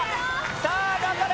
さあ頑張れ！